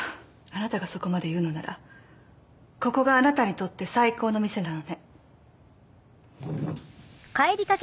あなたがそこまで言うのならここがあなたにとって最高の店なのね。